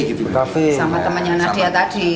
sama temannya nadia tadi